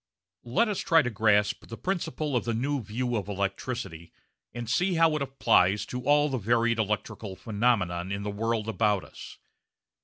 Let us try to grasp the principle of the new view of electricity and see how it applies to all the varied electrical phenomena in the world about us.